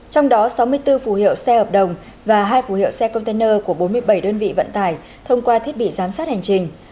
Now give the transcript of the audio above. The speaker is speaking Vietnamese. trong đó sáu mươi bốn phù hiệu xe hợp đồng và hai phù hiệu xe container của bốn mươi bảy đơn vị vận tải thông qua thiết bị giám sát hành trình